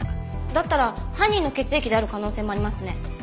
だったら犯人の血液である可能性もありますね。